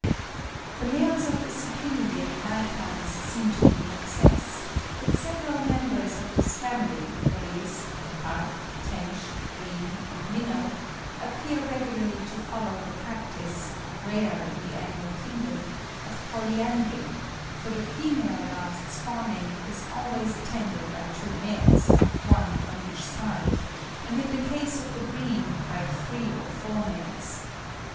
The males of the Cyprinidae likewise seem to be in excess; but several members of this Family, viz., the carp, tench, bream and minnow, appear regularly to follow the practice, rare in the animal kingdom, of polyandry; for the female whilst spawning is always attended by two males, one on each side, and in the case of the bream by three or four males.